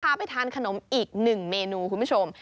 พาไปทานขนมอีกหนึ่งเมนูคุณผู้ชม